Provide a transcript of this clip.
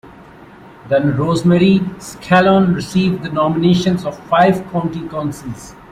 Dana Rosemary Scallon received the nominations of five county councils.